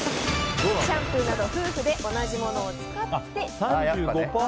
シャンプーなど夫婦で同じモノを使っている？